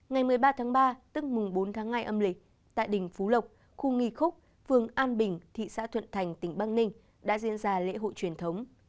ngày một mươi ba tháng ba tức mùng bốn tháng hai âm lịch tại đình phú lộc khu nghi khúc phường an bình thị xã thuận thành tỉnh băng ninh đã diễn ra lễ hội truyền thống